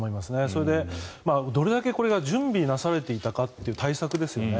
それで、どれだけこれが準備なされていたかという対策ですよね。